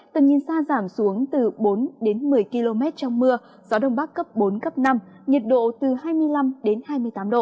tầm nhìn xa giảm xuống từ bốn đến một mươi km trong mưa gió đông bắc cấp bốn cấp năm nhiệt độ từ hai mươi năm hai mươi tám độ